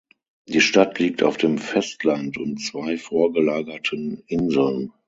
Die Stadt liegt auf dem Festland und zwei vorgelagerten Inseln.